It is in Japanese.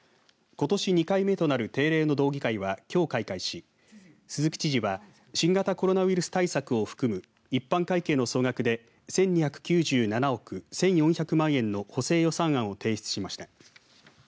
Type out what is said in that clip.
ことし２回目となる定例の道議会はきょう開会し鈴木知事は新型コロナウイルス対策を含む一般会計の総額で１２９７億１４００万円の補正予算案を提出しました。